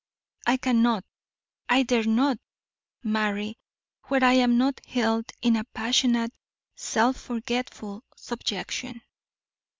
I cannot, I dare not, marry where I am not held in a passionate, self forgetful subjection.